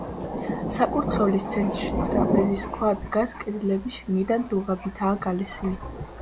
საკურთხევლის ცენტრში ტრაპეზის ქვა დგას კედლები შიგნიდან დუღაბითაა გალესილი.